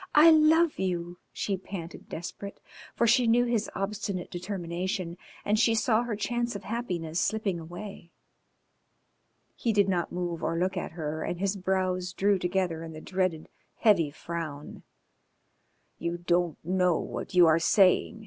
I love you!" she panted, desperate for she knew his obstinate determination, and she saw her chance of happiness slipping away. He did not move or look at her, and his brows drew together in the dreaded heavy frown. "You don't know what you are saying.